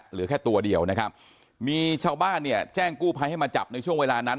เหลือแค่ตัวเดียวนะครับมีชาวบ้านเนี่ยแจ้งกู้ภัยให้มาจับในช่วงเวลานั้น